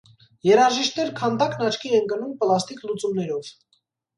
«Երաժիշտներ» քանդակն աչքի է ընկնում պլաստիկ լուծումներով։